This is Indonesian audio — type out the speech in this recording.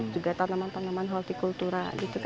juga tanaman tanaman horticultura